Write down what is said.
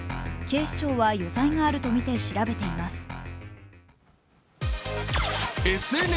警視庁は余罪があるとみて調べています。